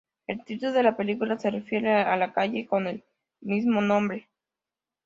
El título de la película se refiere a la calle con el mismo nombre.